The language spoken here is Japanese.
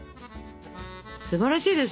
すばらしいです。